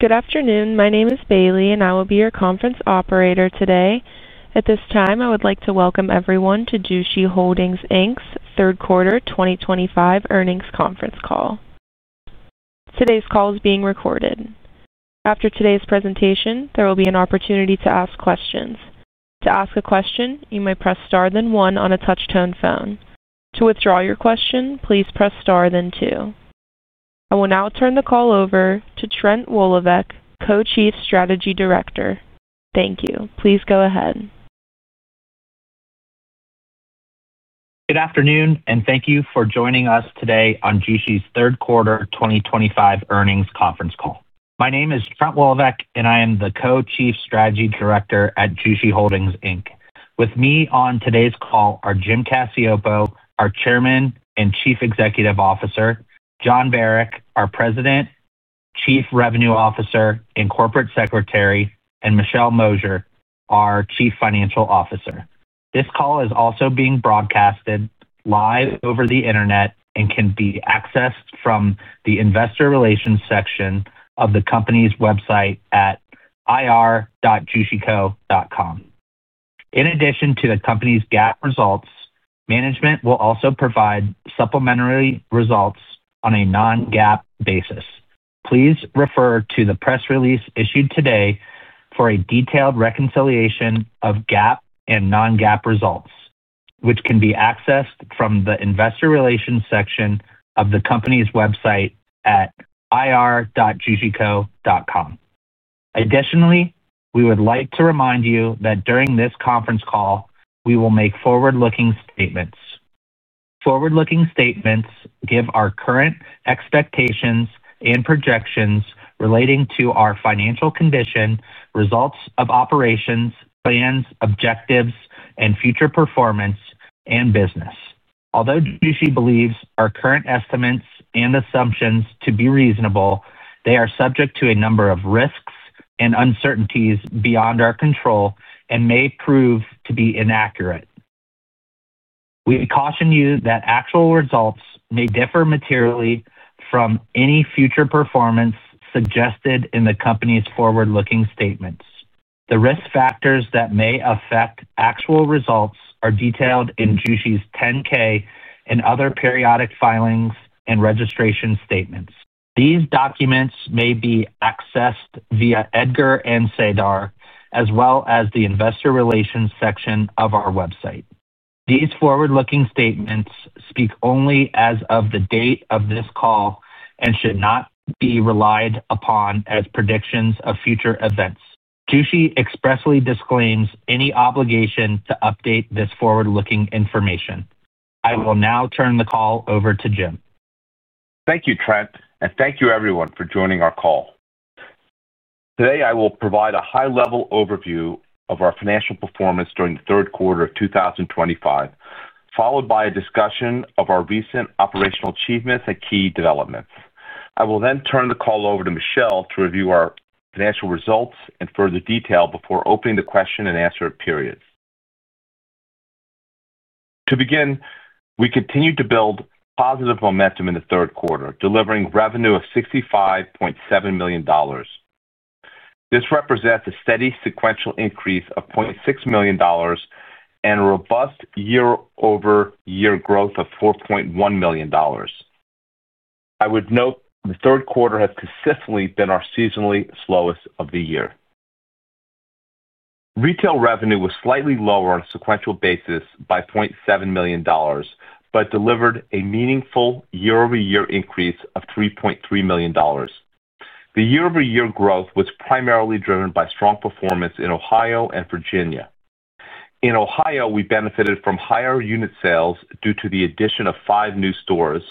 Good afternoon. My name is Bailey, and I will be your conference operator today. At this time, I would like to welcome everyone to Jushi Holdings Inc.'s Third Quarter 2025 Earnings Conference Call. Today's call is being recorded. After today's presentation, there will be an opportunity to ask questions. To ask a question, you may press star then one on a touch-tone phone. To withdraw your question, please press star then two. I will now turn the call over to Trent Woloveck, Co-Chief Strategy Director. Thank you. Please go ahead. Good afternoon, and thank you for joining us today on Jushi's third quarter 2025 earnings conference call. My name is Trent Woloveck, and I am the co-chief strategy director at Jushi Holdings Inc. With me on today's call are Jim Cacioppo, our Chairman and Chief Executive Officer; Jon Barack, our President, Chief Revenue Officer and Corporate Secretary; and Michelle Mosier, our Chief Financial Officer. This call is also being broadcast live over the internet and can be accessed from the investor relations section of the company's website at ir.jushi.co. In addition to the company's GAAP results, management will also provide supplementary results on a non-GAAP basis. Please refer to the press release issued today for a detailed reconciliation of GAAP and non-GAAP results, which can be accessed from the investor relations section of the company's website at ir.jushi.co. Additionally, we would like to remind you that during this conference call, we will make forward-looking statements. Forward-looking statements give our current expectations and projections relating to our financial condition, results of operations, plans, objectives, and future performance and business. Although Jushi believes our current estimates and assumptions to be reasonable, they are subject to a number of risks and uncertainties beyond our control and may prove to be inaccurate. We caution you that actual results may differ materially from any future performance suggested in the company's forward-looking statements. The risk factors that may affect actual results are detailed in Jushi's Form 10-K and other periodic filings and registration statements. These documents may be accessed via EDGAR and SEDAR, as well as the Investor Relations section of our website. These forward-looking statements speak only as of the date of this call and should not be relied upon as predictions of future events. Jushi expressly disclaims any obligation to update this forward-looking information. I will now turn the call over to Jim. Thank you, Trent, and thank you, everyone, for joining our call. Today, I will provide a high-level overview of our financial performance during the third quarter of 2025, followed by a discussion of our recent operational achievements and key developments. I will then turn the call over to Michelle to review our financial results in further detail before opening the question and answer period. To begin, we continue to build positive momentum in the third quarter, delivering revenue of $65.7 million. This represents a steady sequential increase of $600,000 and a robust year-over-year growth of $4.1 million. I would note the third quarter has consistently been our seasonally slowest of the year. Retail revenue was slightly lower on a sequential basis by $700,000, but delivered a meaningful year-over-year increase of $3.3 million. The year-over-year growth was primarily driven by strong performance in Ohio and Virginia. In Ohio, we benefited from higher unit sales due to the addition of five new stores,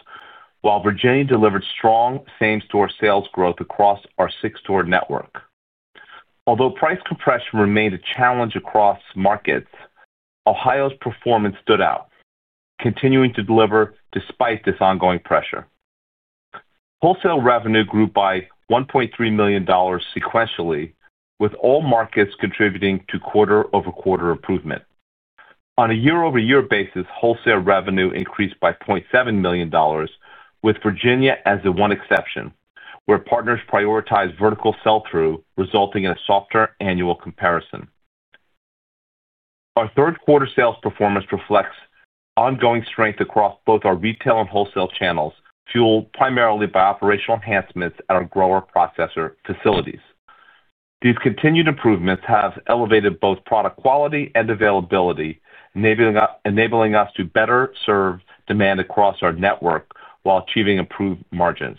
while Virginia delivered strong same-store sales growth across our six-store network. Although price compression remained a challenge across markets, Ohio's performance stood out. Continuing to deliver despite this ongoing pressure. Wholesale revenue grew by $1.3 million sequentially, with all markets contributing to quarter-over-quarter improvement. On a year-over-year basis, wholesale revenue increased by $700,000, with Virginia as the one exception, where partners prioritized vertical sell-through, resulting in a softer annual comparison. Our third-quarter sales performance reflects ongoing strength across both our retail and wholesale channels, fueled primarily by operational enhancements at our grower processor facilities. These continued improvements have elevated both product quality and availability, enabling us to better serve demand across our network while achieving improved margins.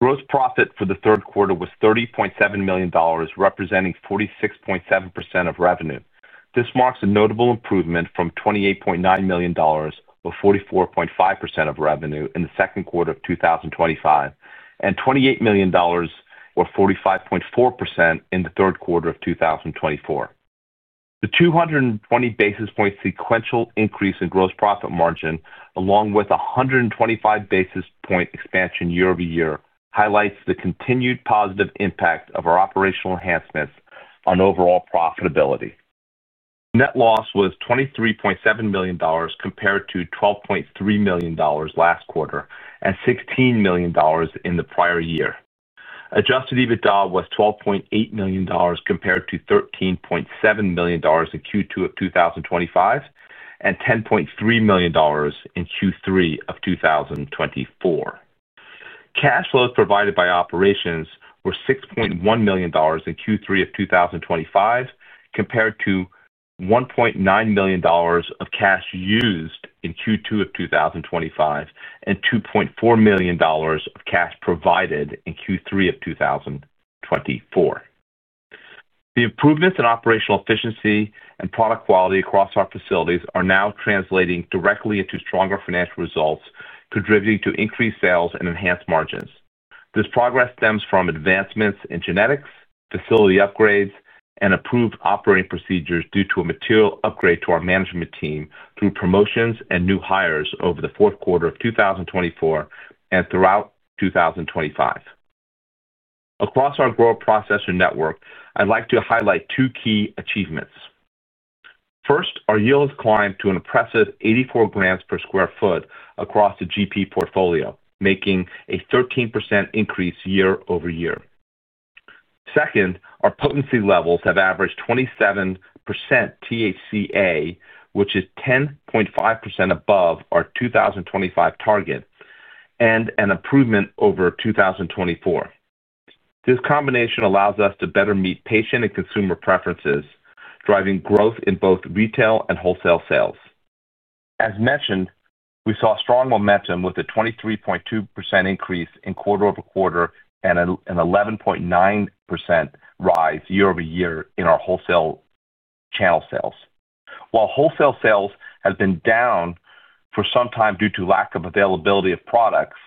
Gross profit for the third quarter was $30.7 million, representing 46.7% of revenue. This marks a notable improvement from $28.9 million or 44.5% of revenue in the second quarter of 2025, and $28 million or 45.4% in the third quarter of 2024. The 220 basis points sequential increase in gross profit margin, along with a 125 basis points expansion year-over-year, highlights the continued positive impact of our operational enhancements on overall profitability. Net loss was $23.7 million compared to $12.3 million last quarter and $16 million in the prior year. Adjusted EBITDA was $12.8 million compared to $13.7 million in Q2 of 2025 and $10.3 million in Q3 of 2024. Cash flows provided by operations were $6.1 million in Q3 of 2025, compared to $1.9 million of cash used in Q2 of 2025 and $2.4 million of cash provided in Q3 of 2024. The improvements in operational efficiency and product quality across our facilities are now translating directly into stronger financial results, contributing to increased sales and enhanced margins. This progress stems from advancements in genetics, facility upgrades, and improved operating procedures due to a material upgrade to our management team through promotions and new hires over the fourth quarter of 2024 and throughout 2025. Across our grower processor network, I'd like to highlight two key achievements. First, our yields climbed to an impressive 84 grams per sq ft across the GP portfolio, making a 13% increase year-over-year. Second, our potency levels have averaged 27% THCA, which is 10.5% above our 2025 target and an improvement over 2024. This combination allows us to better meet patient and consumer preferences, driving growth in both retail and wholesale sales. As mentioned, we saw strong momentum with a 23.2% increase in quarter-over-quarter and an 11.9% rise year-over-year in our wholesale channel sales. While wholesale sales have been down for some time due to lack of availability of products,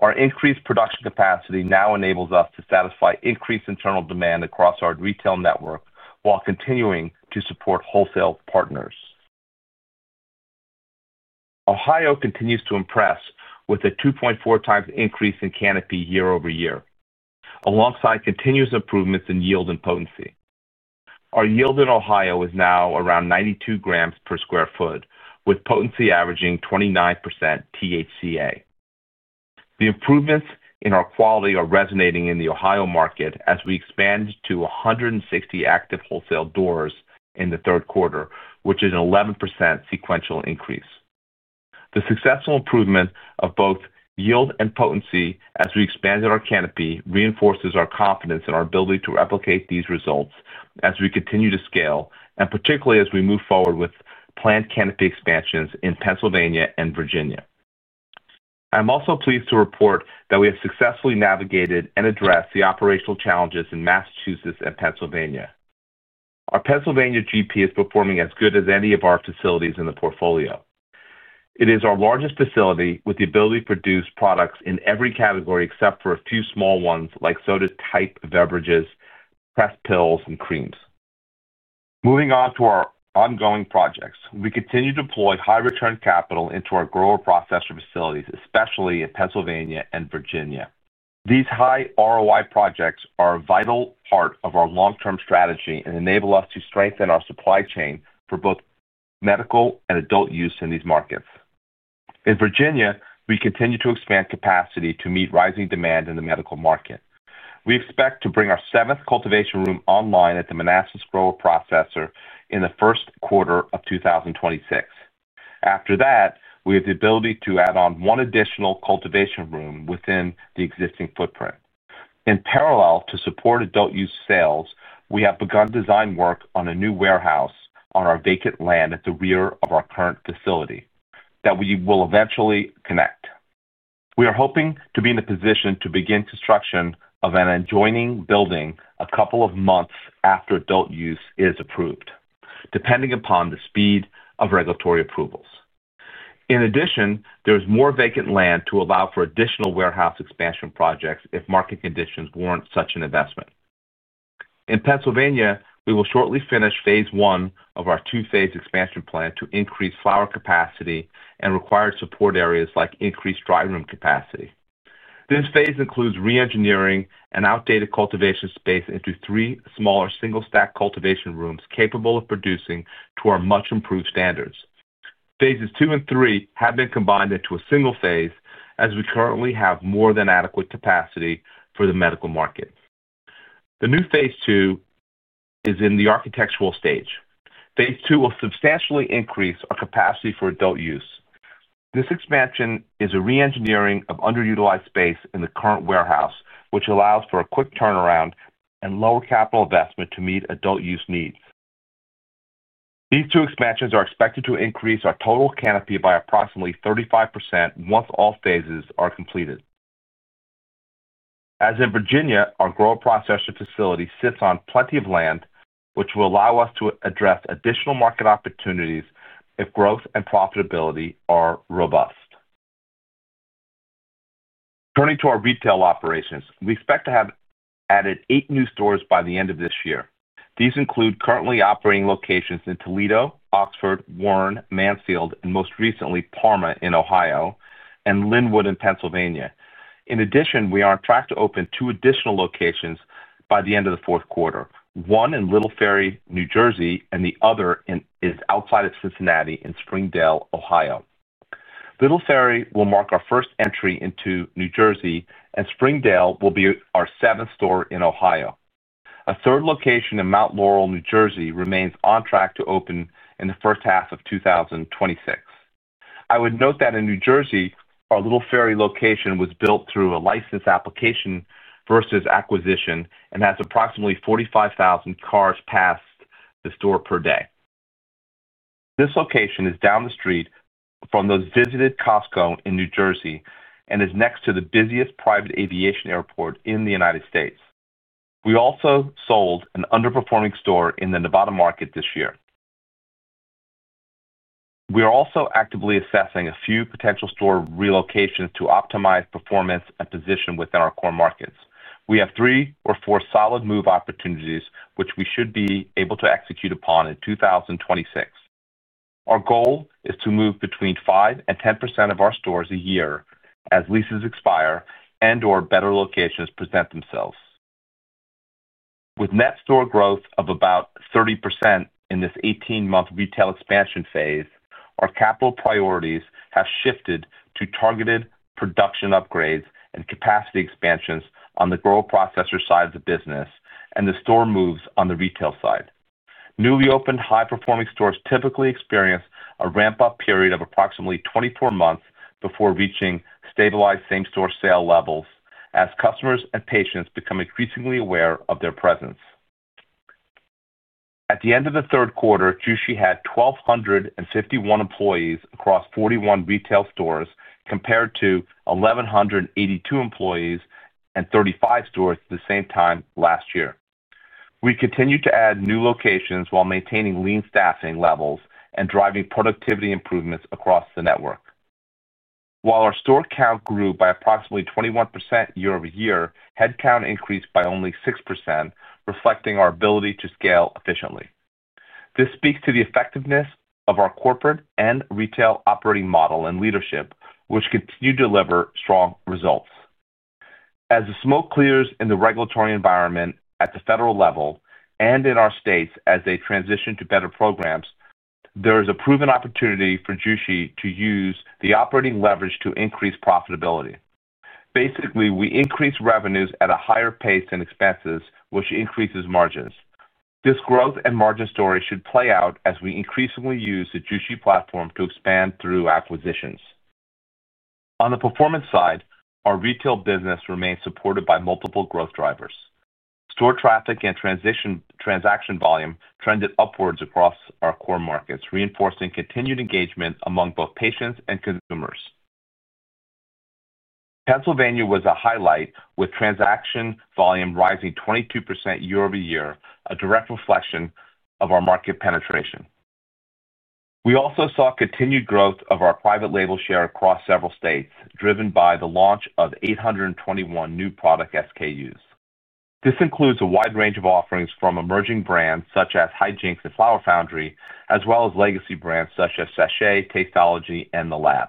our increased production capacity now enables us to satisfy increased internal demand across our retail network while continuing to support wholesale partners. Ohio continues to impress with a 2.4x increase in cannabis year-over-year, alongside continuous improvements in yield and potency. Our yield in Ohio is now around 92 grams per square foot, with potency averaging 29% THCA. The improvements in our quality are resonating in the Ohio market as we expand to 160 active wholesale doors in the third quarter, which is an 11% sequential increase. The successful improvement of both yield and potency as we expanded our cannabis reinforces our confidence in our ability to replicate these results as we continue to scale, and particularly as we move forward with planned cannabis expansions in Pennsylvania and Virginia. I'm also pleased to report that we have successfully navigated and addressed the operational challenges in Massachusetts and Pennsylvania. Our Pennsylvania GP is performing as good as any of our facilities in the portfolio. It is our largest facility with the ability to produce products in every category except for a few small ones like soda-type beverages, pressed pills, and creams. Moving on to our ongoing projects, we continue to deploy high-return capital into our grower processor facilities, especially in Pennsylvania and Virginia. These high ROI projects are a vital part of our long-term strategy and enable us to strengthen our supply chain for both medical and adult use in these markets. In Virginia, we continue to expand capacity to meet rising demand in the medical market. We expect to bring our seventh cultivation room online at the Manassas Grower Processor in the first quarter of 2026. After that, we have the ability to add on one additional cultivation room within the existing footprint. In parallel to support adult use sales, we have begun design work on a new warehouse on our vacant land at the rear of our current facility that we will eventually connect. We are hoping to be in a position to begin construction of an adjoining building a couple of months after adult use is approved, depending upon the speed of regulatory approvals. In addition, there is more vacant land to allow for additional warehouse expansion projects if market conditions warrant such an investment. In Pennsylvania, we will shortly finish phase I of our two-phase expansion plan to increase flower capacity and required support areas like increased dry room capacity. This phase includes re-engineering an outdated cultivation space into three smaller single-stack cultivation rooms capable of producing to our much-improved standards. Phases II and III have been combined into a single phase as we currently have more than adequate capacity for the medical market. The new phase II is in the architectural stage. Phase II will substantially increase our capacity for adult use. This expansion is a re-engineering of underutilized space in the current warehouse, which allows for a quick turnaround and lower capital investment to meet adult use needs. These two expansions are expected to increase our total cannabis by approximately 35% once all phases are completed. As in Virginia, our grower processor facility sits on plenty of land, which will allow us to address additional market opportunities if growth and profitability are robust. Turning to our retail operations, we expect to have added eight new stores by the end of this year. These include currently operating locations in Toledo, Oxford, Warren, Mansfield, and most recently Parma in Ohio, and Linwood in Pennsylvania. In addition, we are on track to open two additional locations by the end of the fourth quarter, one in Little Ferry, New Jersey, and the other is outside of Cincinnati in Springdale, Ohio. Little Ferry will mark our first entry into New Jersey, and Springdale will be our seventh store in Ohio. A third location in Mount Laurel, New Jersey, remains on track to open in the first half of 2026. I would note that in New Jersey, our Little Ferry location was built through a license application versus acquisition and has approximately 45,000 cars passed the store per day. This location is down the street from the busiest Costco in New Jersey and is next to the busiest private aviation airport in the United States. We also sold an underperforming store in the Nevada market this year. We are also actively assessing a few potential store relocations to optimize performance and position within our core markets. We have three or four solid move opportunities, which we should be able to execute upon in 2026. Our goal is to move between 5% and 10% of our stores a year as leases expire and/or better locations present themselves. With net store growth of about 30% in this 18-month retail expansion phase, our capital priorities have shifted to targeted production upgrades and capacity expansions on the grower processor side of the business, and the store moves on the retail side. Newly opened high-performing stores typically experience a ramp-up period of approximately 24 months before reaching stabilized same-store sale levels as customers and patients become increasingly aware of their presence. At the end of the third quarter, Jushi had 1,251 employees across 41 retail stores compared to 1,182 employees and 35 stores at the same time last year. We continue to add new locations while maintaining lean staffing levels and driving productivity improvements across the network. While our store count grew by approximately 21% year-over-year, headcount increased by only 6%, reflecting our ability to scale efficiently. This speaks to the effectiveness of our corporate and retail operating model and leadership, which continue to deliver strong results. As the smoke clears in the regulatory environment at the federal level and in our states as they transition to better programs, there is a proven opportunity for Jushi to use the operating leverage to increase profitability. Basically, we increase revenues at a higher pace than expenses, which increases margins. This growth and margin story should play out as we increasingly use the Jushi platform to expand through acquisitions. On the performance side, our retail business remains supported by multiple growth drivers. Store traffic and transaction volume trended upwards across our core markets, reinforcing continued engagement among both patients and consumers. Pennsylvania was a highlight, with transaction volume rising 22% year-over-year, a direct reflection of our market penetration. We also saw continued growth of our private label share across several states, driven by the launch of 821 new product SKUs. This includes a wide range of offerings from emerging brands such as Hijinks and Flower Foundry, as well as legacy brands such as Sachet, Tasteology, and The Lab.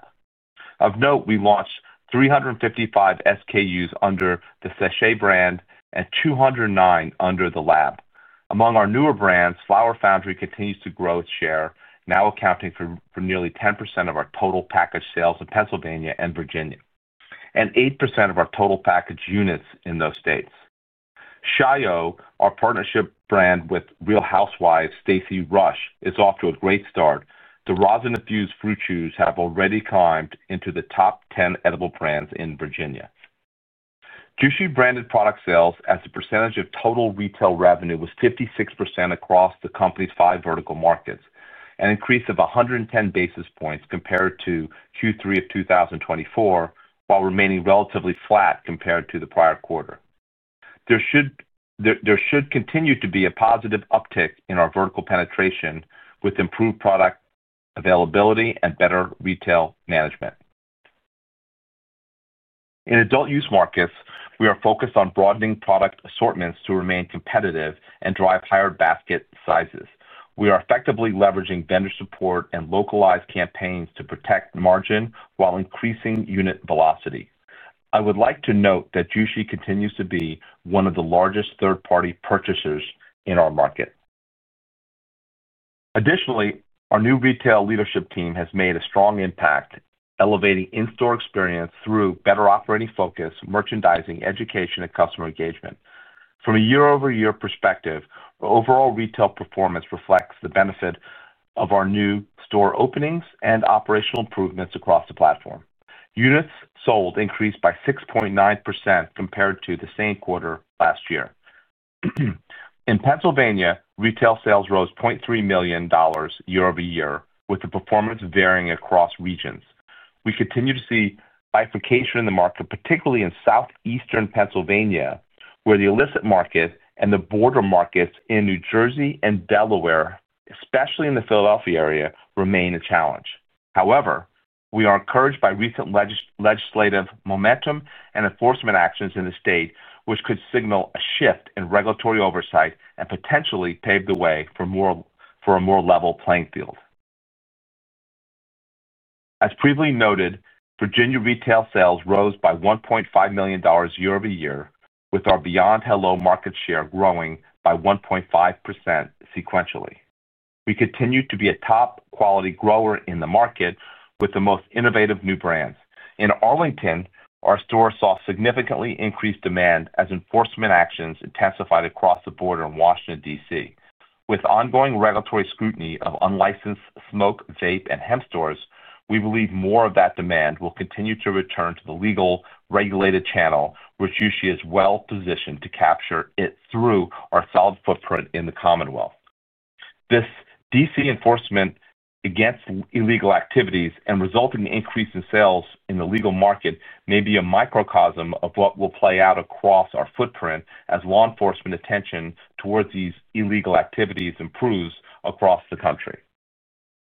Of note, we launched 355 SKUs under the Sachet brand and 209 under The Lab. Among our newer brands, Flower Foundry continues to grow its share, now accounting for nearly 10% of our total package sales in Pennsylvania and Virginia, and 8% of our total package units in those states. Shayo, our partnership brand with Real Housewives Stacey Rusch, is off to a great start. The Raws & The rosin-infused fruit chews have already climbed into the top 10 edible brands in Virginia. Jushi branded product sales as a percentage of total retail revenue was 56% across the company's five vertical markets, an increase of 110 basis points compared to Q3 of 2024, while remaining relatively flat compared to the prior quarter. There should continue to be a positive uptick in our vertical penetration with improved product availability and better retail management. In adult use markets, we are focused on broadening product assortments to remain competitive and drive higher basket sizes. We are effectively leveraging vendor support and localized campaigns to protect margin while increasing unit velocity. I would like to note that Jushi continues to be one of the largest third-party purchasers in our market. Additionally, our new retail leadership team has made a strong impact, elevating in-store experience through better operating focus, merchandising, education, and customer engagement. From a year-over-year perspective, overall retail performance reflects the benefit of our new store openings and operational improvements across the platform. Units sold increased by 6.9% compared to the same quarter last year. In Pennsylvania, retail sales rose $300,000 year-over-year, with the performance varying across regions. We continue to see bifurcation in the market, particularly in southeastern Pennsylvania, where the illicit market and the border markets in New Jersey and Delaware, especially in the Philadelphia area, remain a challenge. However, we are encouraged by recent legislative momentum and enforcement actions in the state, which could signal a shift in regulatory oversight and potentially pave the way for a more level playing field. As previously noted, Virginia retail sales rose by $1.5 million year-over-year, with our BEYOND/HELLO market share growing by 1.5% sequentially. We continue to be a top-quality grower in the market with the most innovative new brands. In Arlington, our store saw significantly increased demand as enforcement actions intensified across the border in Washington, D.C. With ongoing regulatory scrutiny of unlicensed smoke, vape, and hemp stores, we believe more of that demand will continue to return to the legal regulated channel, which Jushi is well-positioned to capture through our solid footprint in the Commonwealth. This D.C. enforcement against illegal activities and resulting increase in sales in the legal market may be a microcosm of what will play out across our footprint as law enforcement attention towards these illegal activities improves across the country.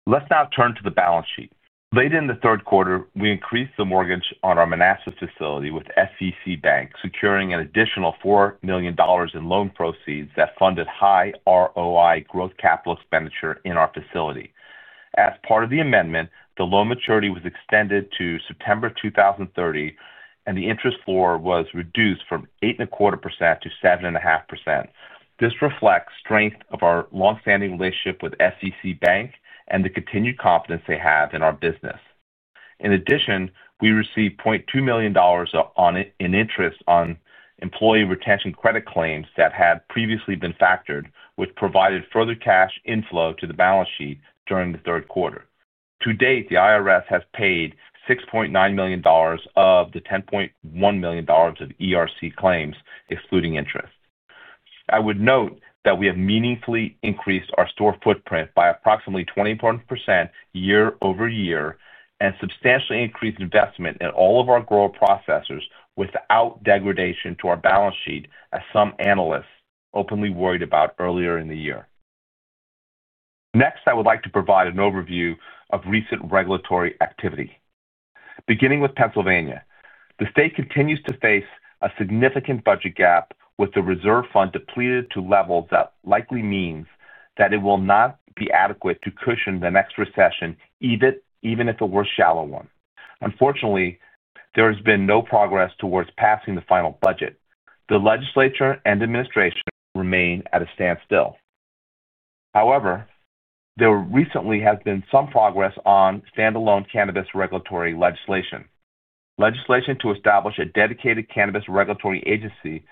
Let's now turn to the balance sheet. Late in the third quarter, we increased the mortgage on our Manassas facility with FVCBank, securing an additional $4 million in loan proceeds that funded high ROI growth capital expenditure in our facility. As part of the amendment, the loan maturity was extended to September 2030, and the interest floor was reduced from 8.25% to 7.5%. This reflects strength of our longstanding relationship with FVCBank and the continued confidence they have in our business. In addition, we received $200,000 in interest on Employee Retention Credit claims that had previously been factored, which provided further cash inflow to the balance sheet during the third quarter. To date, the IRS has paid $6.9 million of the $10.1 million of ERC claims, excluding interest. I would note that we have meaningfully increased our store footprint by approximately 21% year-over-year and substantially increased investment in all of our grower processors without degradation to our balance sheet, as some analysts openly worried about earlier in the year. Next, I would like to provide an overview of recent regulatory activity. Beginning with Pennsylvania, the state continues to face a significant budget gap, with the reserve fund depleted to levels that likely means that it will not be adequate to cushion the next recession, even if it were a shallow one. Unfortunately, there has been no progress towards passing the final budget. The legislature and administration remain at a standstill. However, there recently has been some progress on standalone cannabis regulatory legislation. Legislation to establish a dedicated cannabis regulatory agency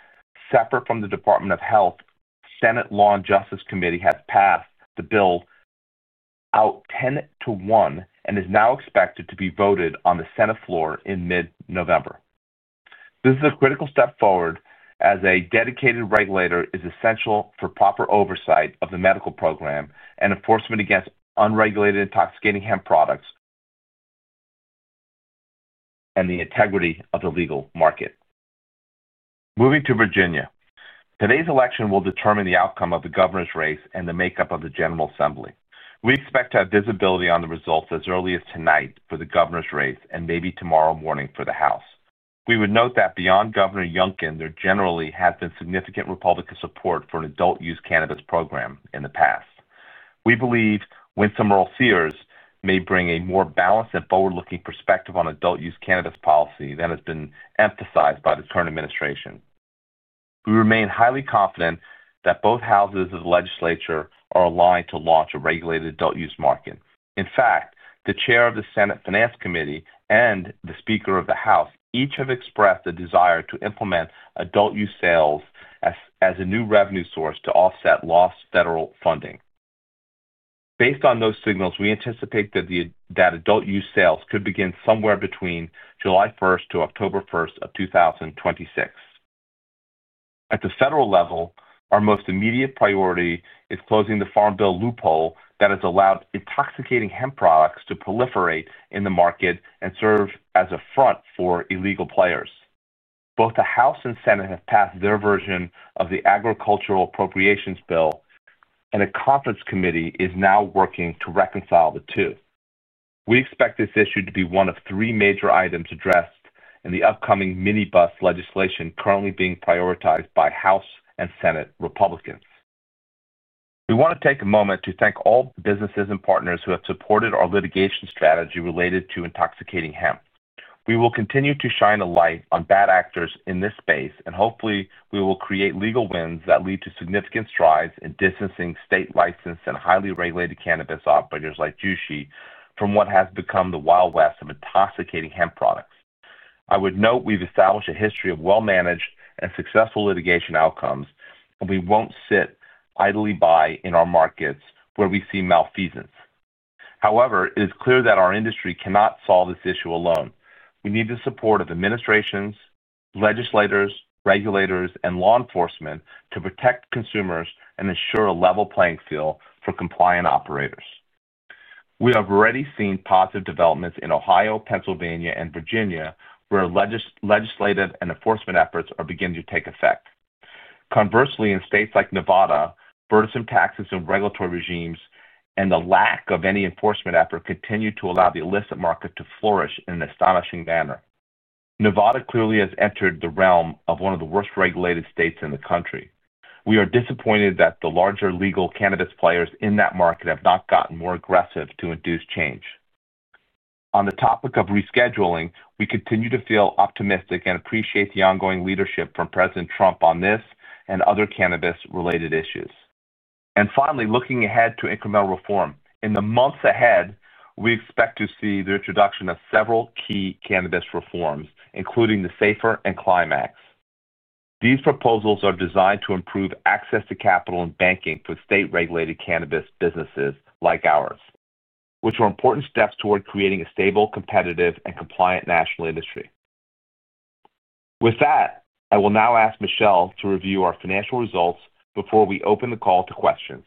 separate from the Department of Health, Senate Law and Justice Committee has passed the bill out 10 to 1 and is now expected to be voted on the Senate floor in mid-November. This is a critical step forward as a dedicated regulator is essential for proper oversight of the medical program and enforcement against unregulated intoxicating hemp products and the integrity of the legal market. Moving to Virginia. Today's election will determine the outcome of the governor's race and the makeup of the General Assembly. We expect to have visibility on the results as early as tonight for the governor's race and maybe tomorrow morning for the House. We would note that beyond Governor Youngkin, there generally has been significant Republican support for an adult use cannabis program in the past. We believe Winsome Earle-Sears may bring a more balanced and forward-looking perspective on adult use cannabis policy than has been emphasized by the current administration. We remain highly confident that both houses of the legislature are aligned to launch a regulated adult use market. In fact, the Chair of the Senate Finance Committee and the Speaker of the House each have expressed a desire to implement adult use sales as a new revenue source to offset lost federal funding. Based on those signals, we anticipate that adult use sales could begin somewhere between July 1st to October 1st of 2026. At the federal level, our most immediate priority is closing the Farm Bill loophole that has allowed intoxicating hemp products to proliferate in the market and serve as a front for illegal players. Both the House and Senate have passed their version of the Agricultural Appropriations Bill, and a conference committee is now working to reconcile the two. We expect this issue to be one of three major items addressed in the upcoming mini-bus legislation currently being prioritized by House and Senate Republicans. We want to take a moment to thank all businesses and partners who have supported our litigation strategy related to intoxicating hemp. We will continue to shine a light on bad actors in this space, and hopefully, we will create legal wins that lead to significant strides in distancing state-licensed and highly regulated cannabis operators like Jushi from what has become the Wild West of intoxicating hemp products. I would note we've established a history of well-managed and successful litigation outcomes, and we won't sit idly by in our markets where we see malfeasance. However, it is clear that our industry cannot solve this issue alone. We need the support of administrations, legislators, regulators, and law enforcement to protect consumers and ensure a level playing field for compliant operators. We have already seen positive developments in Ohio, Pennsylvania, and Virginia where legislative and enforcement efforts are beginning to take effect. Conversely, in states like Nevada, burdensome taxes and regulatory regimes and the lack of any enforcement effort continue to allow the illicit market to flourish in an astonishing manner. Nevada clearly has entered the realm of one of the worst regulated states in the country. We are disappointed that the larger legal cannabis players in that market have not gotten more aggressive to induce change. On the topic of rescheduling, we continue to feel optimistic and appreciate the ongoing leadership from President Trump on this and other cannabis-related issues. And finally, looking ahead to incremental reform, in the months ahead, we expect to see the introduction of several key cannabis reforms, including the SAFR and CLIM Acts. These proposals are designed to improve access to capital and banking for state-regulated cannabis businesses like ours, which are important steps toward creating a stable, competitive, and compliant national industry. With that, I will now ask Michelle to review our financial results before we open the call to questions.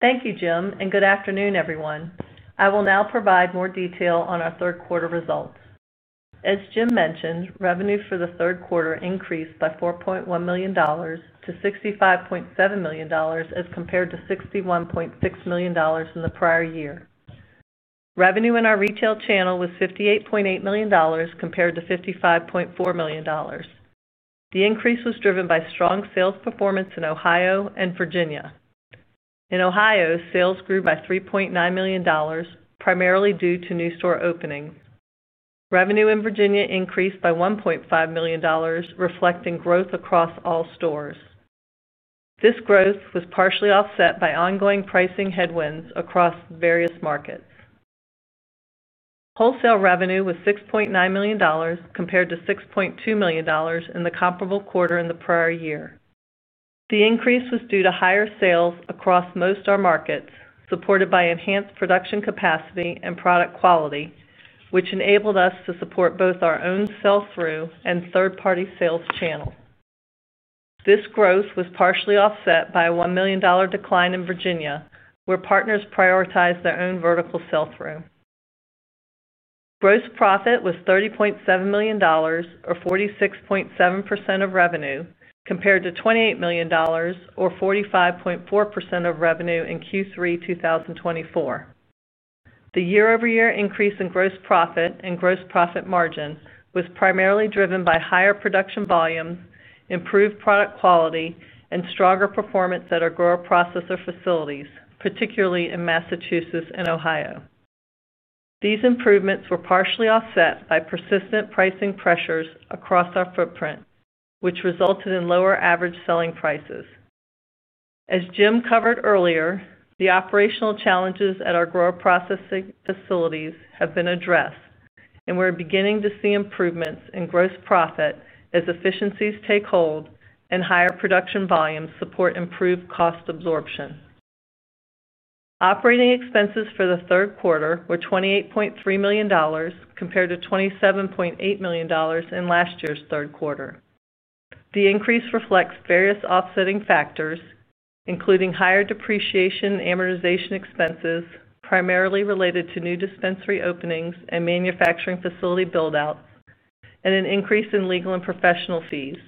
Thank you, Jim, and good afternoon, everyone. I will now provide more detail on our third-quarter results. As Jim mentioned, revenue for the third quarter increased by $4.1 million to $65.7 million as compared to $61.6 million in the prior year. Revenue in our retail channel was $58.8 million compared to $55.4 million. The increase was driven by strong sales performance in Ohio and Virginia. In Ohio, sales grew by $3.9 million, primarily due to new store opening. Revenue in Virginia increased by $1.5 million, reflecting growth across all stores. This growth was partially offset by ongoing pricing headwinds across various markets. Wholesale revenue was $6.9 million compared to $6.2 million in the comparable quarter in the prior year. The increase was due to higher sales across most of our markets, supported by enhanced production capacity and product quality, which enabled us to support both our own sell-through and third-party sales channel. This growth was partially offset by a $1 million decline in Virginia, where partners prioritized their own vertical sell-through. Gross profit was $30.7 million, or 46.7% of revenue, compared to $28 million, or 45.4% of revenue in Q3 2024. The year-over-year increase in gross profit and gross profit margin was primarily driven by higher production volumes, improved product quality, and stronger performance at our grower processor facilities, particularly in Massachusetts and Ohio. These improvements were partially offset by persistent pricing pressures across our footprint, which resulted in lower average selling prices. As Jim covered earlier, the operational challenges at our grower processor facilities have been addressed, and we're beginning to see improvements in gross profit as efficiencies take hold and higher production volumes support improved cost absorption. Operating expenses for the third quarter were $28.3 million compared to $27.8 million in last year's third quarter. The increase reflects various offsetting factors, including higher depreciation and amortization expenses primarily related to new dispensary openings and manufacturing facility buildouts, and an increase in legal and professional fees,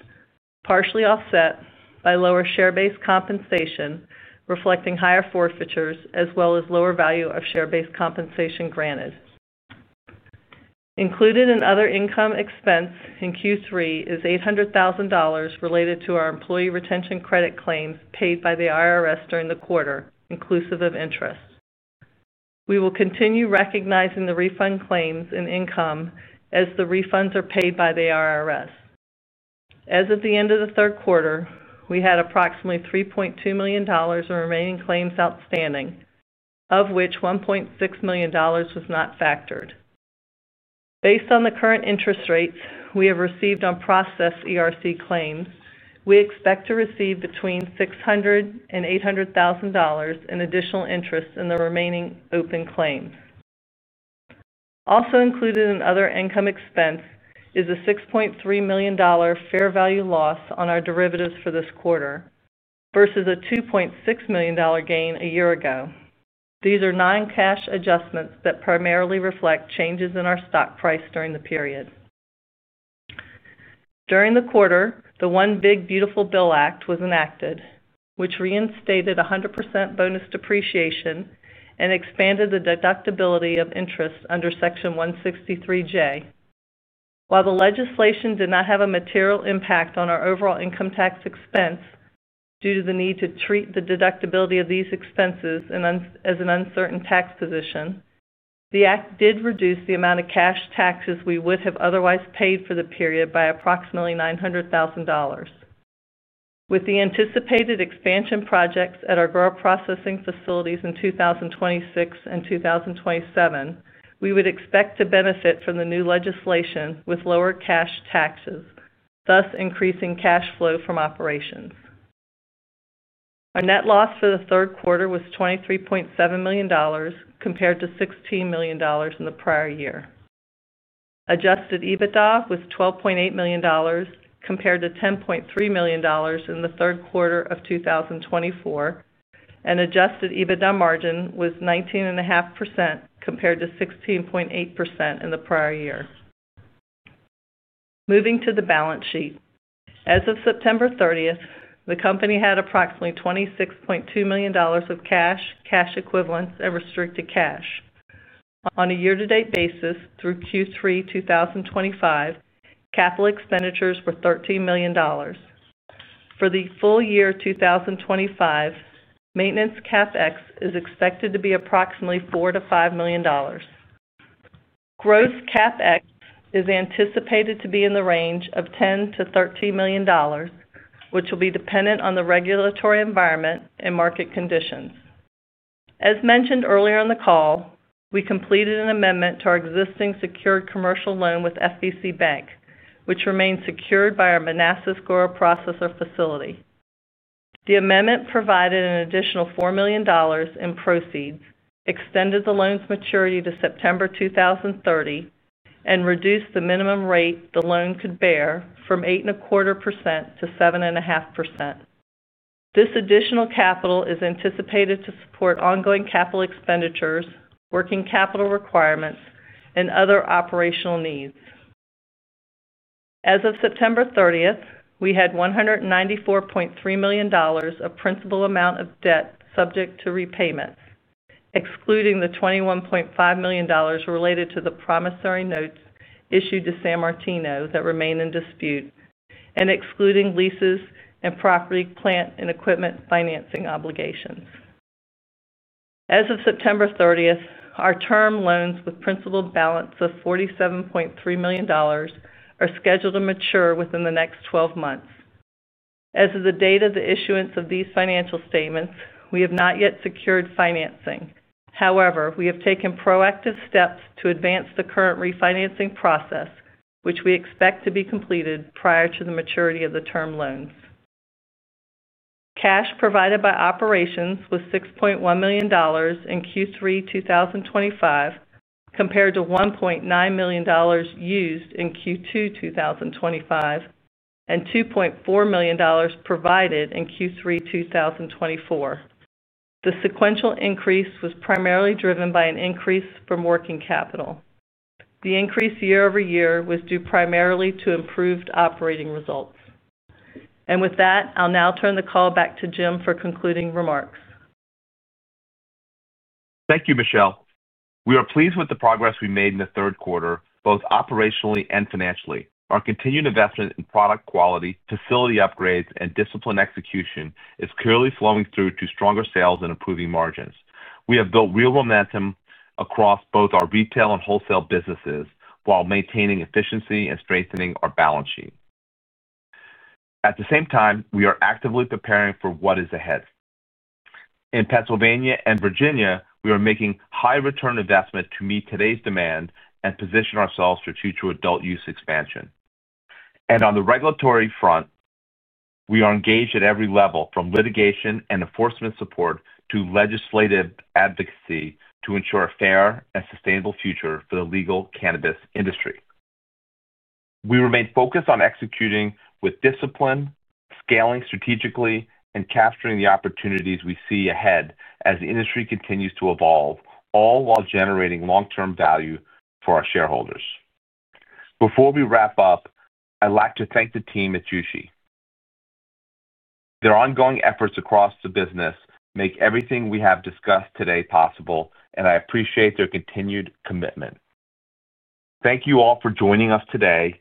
partially offset by lower share-based compensation, reflecting higher forfeitures as well as lower value of share-based compensation granted. Included in other income expense in Q3 is $800,000 related to our Employee Retention Credit claims paid by the IRS during the quarter, inclusive of interest. We will continue recognizing the refund claims in income as the refunds are paid by the IRS. As of the end of the third quarter, we had approximately $3.2 million in remaining claims outstanding, of which $1.6 million was not factored. Based on the current interest rates, we have received unprocessed ERC claims. We expect to receive between $600,000 and $800,000 in additional interest in the remaining open claims. Also included in other income expense is a $6.3 million fair value loss on our derivatives for this quarter versus a $2.6 million gain a year ago. These are non-cash adjustments that primarily reflect changes in our stock price during the period. During the quarter, the One Big, Beautiful Bill Act was enacted, which reinstated 100% bonus depreciation and expanded the deductibility of interest under Section 163J. While the legislation did not have a material impact on our overall income tax expense due to the need to treat the deductibility of these expenses as an uncertain tax position. The act did reduce the amount of cash taxes we would have otherwise paid for the period by approximately $900,000. With the anticipated expansion projects at our grower processor facilities in 2026 and 2027, we would expect to benefit from the new legislation with lower cash taxes, thus increasing cash flow from operations. Our net loss for the third quarter was $23.7 million compared to $16 million in the prior year. Adjusted EBITDA was $12.8 million compared to $10.3 million in the third quarter of 2024, and Adjusted EBITDA margin was 19.5% compared to 16.8% in the prior year. Moving to the balance sheet. As of September 30th, the company had approximately $26.2 million of cash, cash equivalents, and restricted cash. On a year-to-date basis through Q3 2025. Capital expenditures were $13 million. For the full year 2025. Maintenance CapEx is expected to be approximately $4 million-$5 million. Gross CapEx is anticipated to be in the range of $10 million-$13 million, which will be dependent on the regulatory environment and market conditions. As mentioned earlier on the call, we completed an amendment to our existing secured commercial loan with FVCBank, which remains secured by our Manassas Grower Processor facility. The amendment provided an additional $4 million in proceeds, extended the loan's maturity to September 2030, and reduced the minimum rate the loan could bear from 8.25% to 7.5%. This additional capital is anticipated to support ongoing capital expenditures, working capital requirements, and other operational needs. As of September 30th, we had $194.3 million of principal amount of debt subject to repayment. Excluding the $21.5 million related to the promissory notes issued to San Martino that remain in dispute and excluding leases and property plant and equipment financing obligations. As of September 30th, our term loans with principal balance of $47.3 million. Are scheduled to mature within the next 12 months. As of the date of the issuance of these financial statements, we have not yet secured financing. However, we have taken proactive steps to advance the current refinancing process, which we expect to be completed prior to the maturity of the term loans. Cash provided by operations was $6.1 million in Q3 2025, compared to $1.9 million used in Q2 2025 and $2.4 million provided in Q3 2024. The sequential increase was primarily driven by an increase from working capital. The increase year over year was due primarily to improved operating results. And with that, I'll now turn the call back to Jim for concluding remarks. Thank you, Michelle. We are pleased with the progress we made in the third quarter, both operationally and financially. Our continued investment in product quality, facility upgrades, and disciplined execution is clearly flowing through to stronger sales and improving margins. We have built real momentum across both our retail and wholesale businesses while maintaining efficiency and strengthening our balance sheet. At the same time, we are actively preparing for what is ahead. In Pennsylvania and Virginia, we are making high-return investments to meet today's demand and position ourselves for future adult use expansion, and on the regulatory front, we are engaged at every level, from litigation and enforcement support to legislative advocacy, to ensure a fair and sustainable future for the legal cannabis industry. We remain focused on executing with discipline, scaling strategically, and capturing the opportunities we see ahead as the industry continues to evolve, all while generating long-term value for our shareholders. Before we wrap up, I'd like to thank the team at Jushi. Their ongoing efforts across the business make everything we have discussed today possible, and I appreciate their continued commitment. Thank you all for joining us today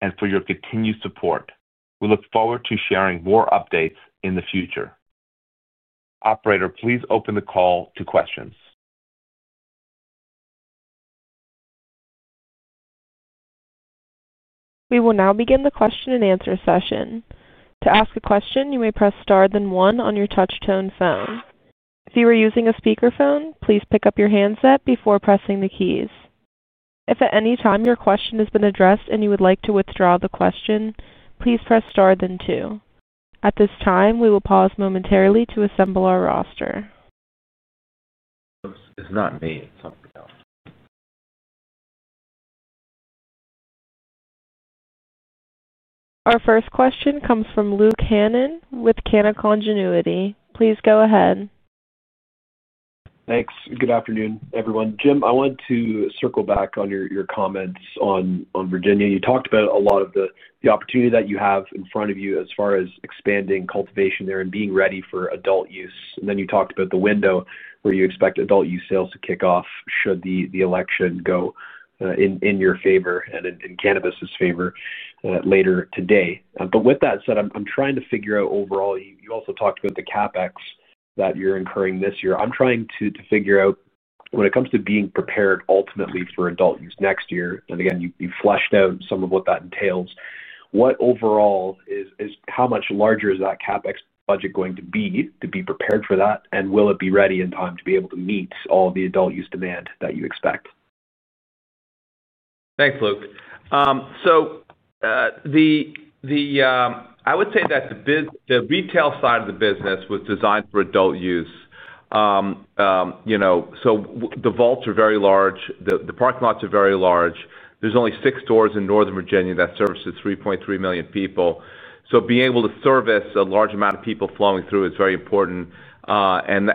and for your continued support. We look forward to sharing more updates in the future. Operator, please open the call to questions. We will now begin the question-and-answer session. To ask a question, you may press star then one on your touch-tone phone. If you are using a speakerphone, please pick up your handset before pressing the keys. If at any time your question has been addressed and you would like to withdraw the question, please press star then two. At this time, we will pause momentarily to assemble our roster. It's not me. It's something else. Our first question comes from Luke Hannan with Canaccord Genuity. Please go ahead. Thanks. Good afternoon, everyone. Jim, I wanted to circle back on your comments on Virginia. You talked about a lot of the opportunity that you have in front of you as far as expanding cultivation there and being ready for adult use. And then you talked about the window where you expect adult use sales to kick off should the election go in your favor and in cannabis's favor later today. But with that said, I'm trying to figure out overall, you also talked about the CapEx that you're incurring this year. I'm trying to figure out when it comes to being prepared ultimately for adult use next year. And again, you fleshed out some of what that entails. What overall is how much larger is that CapEx budget going to be to be prepared for that? And will it be ready in time to be able to meet all the adult use demand that you expect? Thanks, Luke. So, I would say that the retail side of the business was designed for adult use. So the vaults are very large. The parking lots are very large. There's only six stores in Northern Virginia that service to 3.3 million people. So being able to service a large amount of people flowing through is very important. And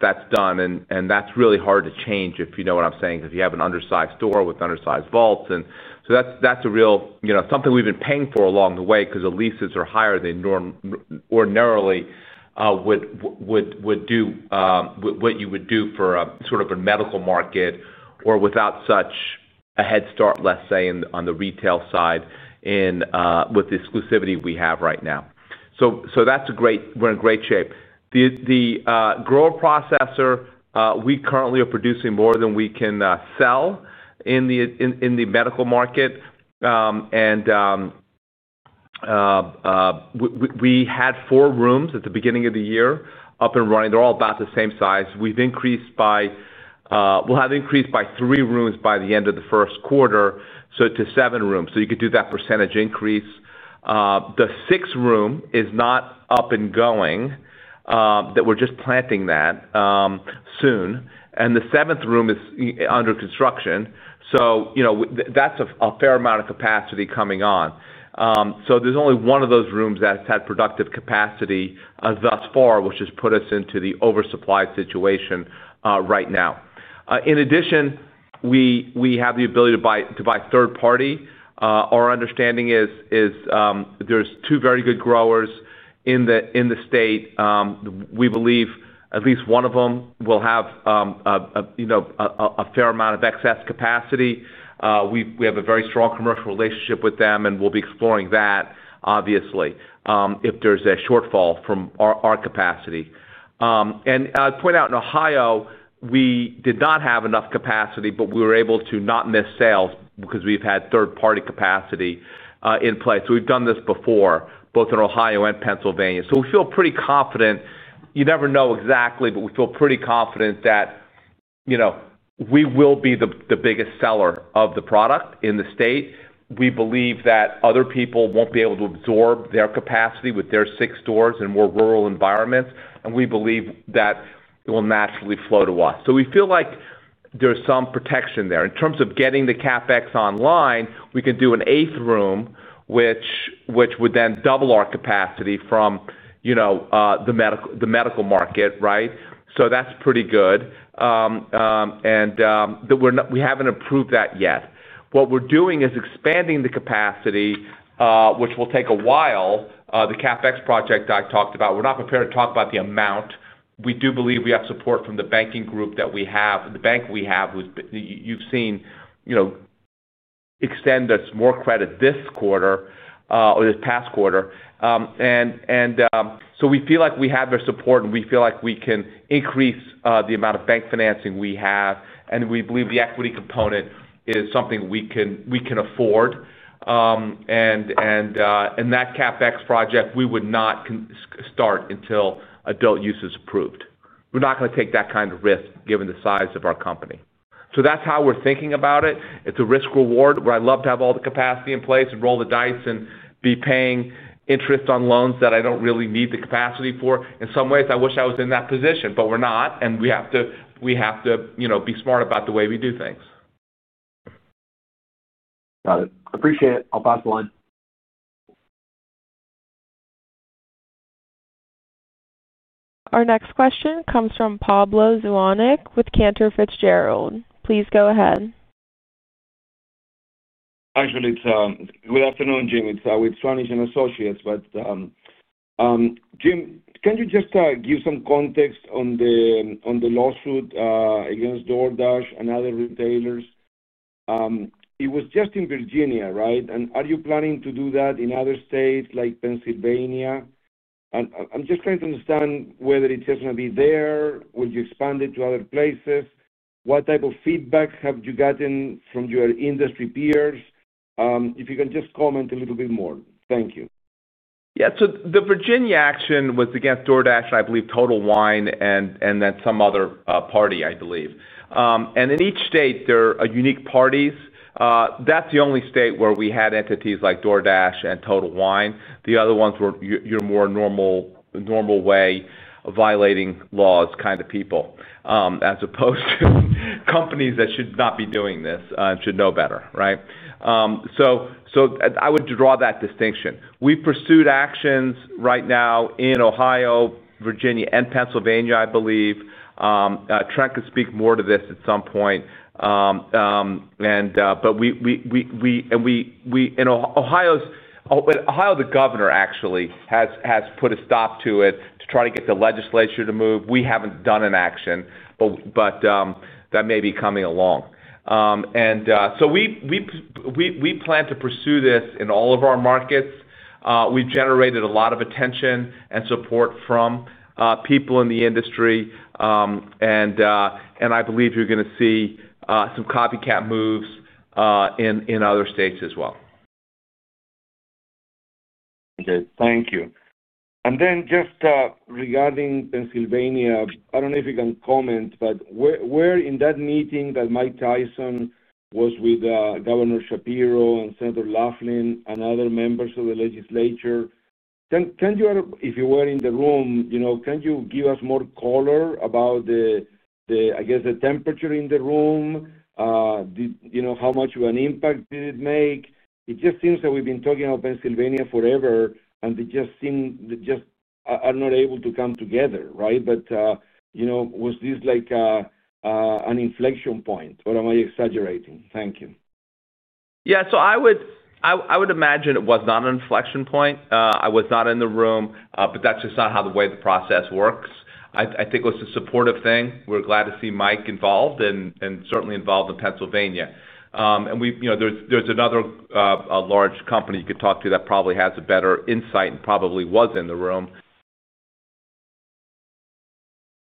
that's done. And that's really hard to change, if you know what I'm saying, because you have an undersized store with undersized vaults. And so that's a real something we've been paying for along the way because the leases are higher than ordinarily would do what you would do for sort of a medical market or without such a head start, let's say, on the retail side with the exclusivity we have right now. So we're in great shape. The grower processor, we currently are producing more than we can sell in the medical market. And we had four rooms at the beginning of the year up and running. They're all about the same size. We'll have increased by three rooms by the end of the first quarter, so to seven rooms. So you could do that percentage increase. The sixth room is not up and going. That we're just planting that soon. And the seventh room is under construction. So that's a fair amount of capacity coming on. So there's only one of those rooms that's had productive capacity thus far, which has put us into the oversupply situation right now. In addition, we have the ability to buy third-party. Our understanding is there's two very good growers in the state. We believe at least one of them will have a fair amount of excess capacity. We have a very strong commercial relationship with them, and we'll be exploring that, obviously, if there's a shortfall from our capacity. And I'd point out in Ohio, we did not have enough capacity, but we were able to not miss sales because we've had third-party capacity in place. We've done this before, both in Ohio and Pennsylvania. So we feel pretty confident. You never know exactly, but we feel pretty confident that we will be the biggest seller of the product in the state. We believe that other people won't be able to absorb their capacity with their six stores in more rural environments. And we believe that it will naturally flow to us. So we feel like there's some protection there. In terms of getting the CapEx online, we can do an eighth room, which would then double our capacity from the medical market, right? So that's pretty good. And we haven't approved that yet. What we're doing is expanding the capacity, which will take a while. The CapEx project I talked about, we're not prepared to talk about the amount. We do believe we have support from the banking group that we have, the bank we have, who you've seen. Extend us more credit this quarter or this past quarter. And so we feel like we have their support, and we feel like we can increase the amount of bank financing we have. And we believe the equity component is something we can afford. That CapEx project, we would not start until adult use is approved. We're not going to take that kind of risk given the size of our company. So that's how we're thinking about it. It's a risk-reward where I'd love to have all the capacity in place and roll the dice and be paying interest on loans that I don't really need the capacity for. In some ways, I wish I was in that position, but we're not. And we have to be smart about the way we do things. Got it. Appreciate it. I'll pass the line. Our next question comes from Pablo Zuanic with Cantor Fitzgerald. Please go ahead. Actually, it's good afternoon, Jim. It's with Zuanic & Associates. But Jim, can you just give some context on the lawsuit against DoorDash and other retailers? It was just in Virginia, right? And are you planning to do that in other states like Pennsylvania? I'm just trying to understand whether it's just going to be there. Will you expand it to other places? What type of feedback have you gotten from your industry peers? If you can just comment a little bit more. Thank you. Yeah. So the Virginia action was against DoorDash and, I believe, Total Wine and then some other party, I believe. And in each state, there are unique parties. That's the only state where we had entities like DoorDash and Total Wine. The other ones were your more normal way violating laws kind of people. As opposed to companies that should not be doing this and should know better, right? So I would draw that distinction. We've pursued actions right now in Ohio, Virginia, and Pennsylvania, I believe. Trent can speak more to this at some point. But in Ohio, the governor actually has put a stop to it to try to get the legislature to move. We haven't done an action, but that may be coming along. And so we plan to pursue this in all of our markets. We've generated a lot of attention and support from people in the industry. And I believe you're going to see some copycat moves in other states as well. Okay. Thank you. And then just regarding Pennsylvania, I don't know if you can comment, but where in that meeting that Mike Tyson was with Governor Shapiro and Senator Laughlin and other members of the legislature, if you were in the room, can you give us more color about. I guess, the temperature in the room? How much of an impact did it make? It just seems that we've been talking about Pennsylvania forever, and they just. Are not able to come together, right? But. Was this like. An inflection point? Or am I exaggerating? Thank you. Yeah. So I would. Imagine it was not an inflection point. I was not in the room, but that's just not how the way the process works. I think it was a supportive thing. We're glad to see Mike involved and certainly involved in Pennsylvania. There's another large company you could talk to that probably has a better insight and probably was in the room.